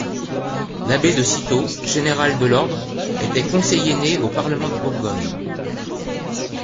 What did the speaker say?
L'abbé de Cîteaux, général de l'ordre, était conseiller-né au parlement de Bourgogne.